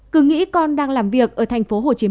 cứ nghĩ con đang làm việc ở thành phố hồ chí minh